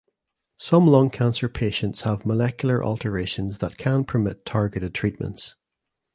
Some lung cancer patients have molecular alterations that can permit targeted treatments.